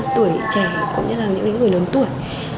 tuổi trẻ cũng như là những người lớn tuổi